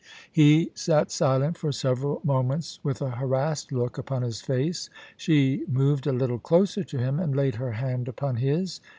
He sat silent for several moments, with a harassed look upon his face. She moved a little closer to him, and laid her hand upon his.